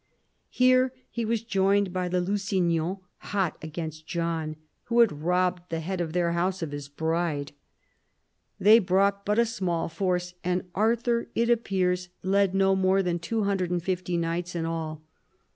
Here he was joined by the Lusignans, hot against John, who had robbed the head of their house of his bride. They brought but a small force, and Arthur, it appears, led no more than 250 knights in all.